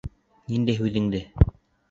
Ниндәй һүҙеңде?